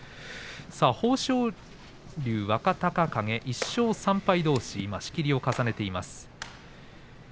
豊昇龍、若隆景１勝３敗どうし仕切りを重ねています。